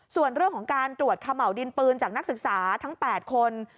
ส่วนเรื่องของการตรวจเขม่าวดินปืนจากนักศึกษาทั้ง๘คน